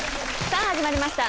さあ始まりました。